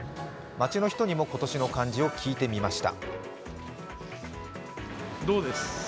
街の人にも今年の漢字を聞いてみました。